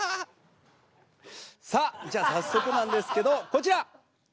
さあじゃあ早速なんですけどこちら。